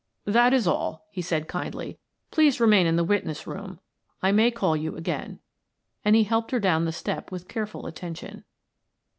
"That is all," he said kindly. "Please remain in the witness room, I may call you again," and he helped her down the step with careful attention.